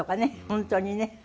本当にね。